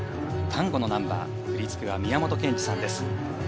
タンゴのナンバー振り付けは宮本賢二さんです。